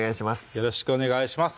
よろしくお願いします